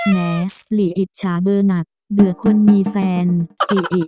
แหมหลีอิจฉาเบอร์หนักเบื่อคนมีแฟนอิอิ